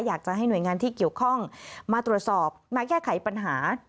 อยากจะให้หน่วยงานที่เกี่ยวข้องมาตรวจสอบมาแก้ไขปัญหา